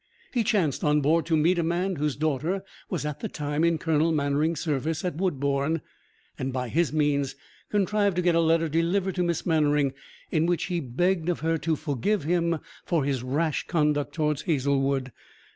He chanced on board to meet a man whose daughter was at the time in Colonel Mannering's service at Woodbourne and by his means contrived to get a letter delivered to Miss Mannering, in which he begged of her to forgive him for his rash conduct towards Hazlewood.